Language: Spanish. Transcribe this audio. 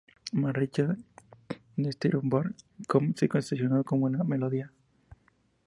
Mark Richards de Stereoboard.com se entusiasmó con la melodía.